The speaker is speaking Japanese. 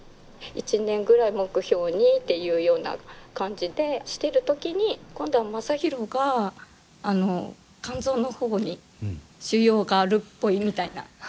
１年ぐらい目標にっていうような感じでしてる時に今度はマサヒロが肝臓の方に腫瘍があるっぽいみたいな。